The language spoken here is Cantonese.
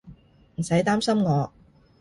唔使擔心我